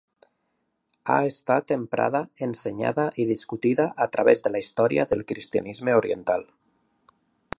Ha estat emprada, ensenyada i discutida a través de la història del cristianisme oriental.